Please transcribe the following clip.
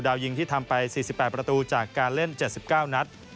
ยิงที่ทำไป๔๘ประตูจากการเล่น๗๙นัด